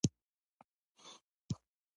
له ځينو سره يې په وخت تېرولو